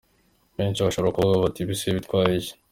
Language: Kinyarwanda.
Benshi bashobora kuvuga bati ibi se bitwaye iki ?.